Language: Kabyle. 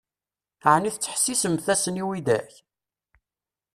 Ɛni tettḥessisemt-asen i widak?